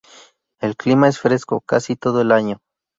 El clima es fresco casi todo el año.